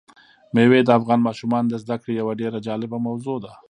مېوې د افغان ماشومانو د زده کړې یوه ډېره جالبه موضوع ده.